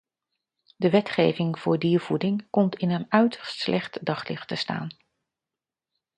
De wetgeving voor diervoeding komt in een uiterst slecht daglicht te staan.